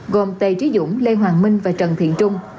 gồm tề trí dũng lê hoàng minh và trần thiện trung